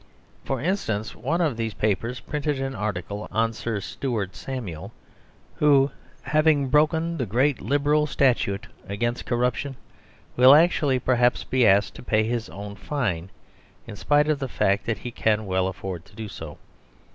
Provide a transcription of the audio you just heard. For instance, one of these papers printed an article on Sir Stuart Samuel, who, having broken the great Liberal statute against corruption, will actually, perhaps, be asked to pay his own fine in spite of the fact that he can well afford to do so.